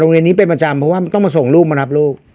โรงเรียนนี้เป็นประจำเพราะว่าต้องมาส่งลูกมารับลูก